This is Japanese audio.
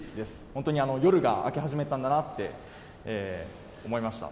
本当に、夜が明け始めたんだなって思いました。